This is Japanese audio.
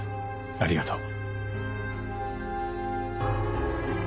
ありがとう。